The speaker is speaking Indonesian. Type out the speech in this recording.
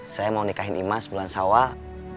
saya mau nikahin imas bulan sawal